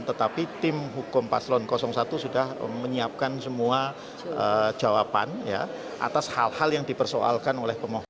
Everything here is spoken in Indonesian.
tetapi tim hukum paslon satu sudah menyiapkan semua jawaban atas hal hal yang dipersoalkan oleh pemohon